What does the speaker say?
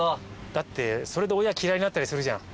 だってそれで親嫌いになったりするじゃん。